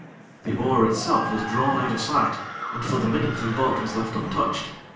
The oar itself was drawn down out of sight, and for the minute the boat was left untouched.